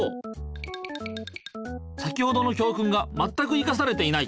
先ほどの教くんがまったくいかされていない。